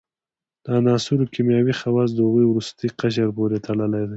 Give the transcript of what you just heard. د عناصرو کیمیاوي خواص د هغوي وروستي قشر پورې تړلی دی.